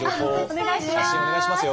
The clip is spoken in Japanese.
お願いします！